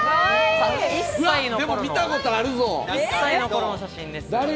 １歳の頃の写真です。